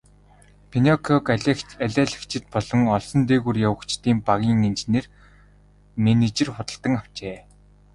Пиноккиог алиалагчид болон олсон дээгүүр явагчдын багийн менежер худалдан авчээ.